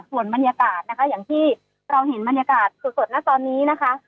ส่วนบรรยากาศนะคะอย่างที่เราเห็นบรรยากาศสดนะตอนนี้นะคะ